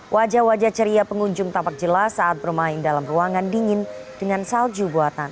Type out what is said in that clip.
wajah wajah ceria pengunjung tampak jelas saat bermain dalam ruangan dingin dengan salju buatan